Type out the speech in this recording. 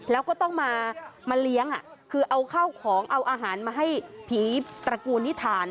แล้วก็ต้องมาเลี้ยงคือเอาข้าวของเอาอาหารมาให้ผีตระกูลนิษฐาน